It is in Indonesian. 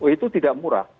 itu tidak murah